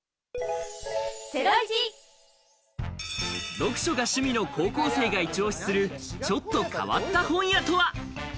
読者が趣味の高校生がイチ押しする、ちょっと変わった本屋とは？